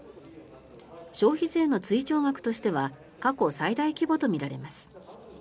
消費税の追徴額としては過去最大規模とみられます。